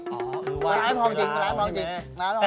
อ๋อถือว่าพี่ดูแลไว้